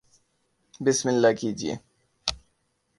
بسم اللہ کیجئے